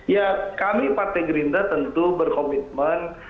ya kami partai green drive tentu berkomitmen